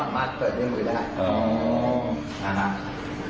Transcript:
อ่าอมันจะรีเซตตัวเอง